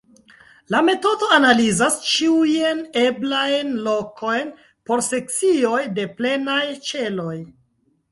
La metodo analizas ĉiujn eblajn lokojn por sekcioj de plenaj ĉeloj.